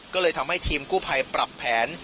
ก็เลยทำให้ทีมกู้ภัยปรับแผน